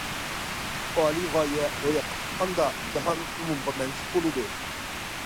ئالىي غايە روياپقا چىققاندا، جاھان ئومۇمغا مەنسۇپ بولىدۇ.